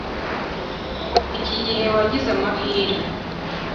Iki gihe wagize amahirwe